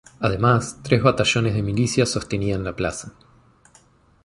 Además, tres batallones de milicia sostenían la plaza.